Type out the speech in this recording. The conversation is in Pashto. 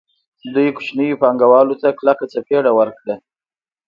دوی کوچنیو پانګوالو ته کلکه څپېړه ورکړه